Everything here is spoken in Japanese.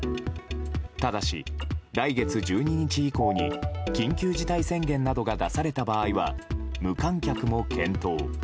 ただし来月１２日以降に緊急事態宣言などが出された場合は無観客も検討。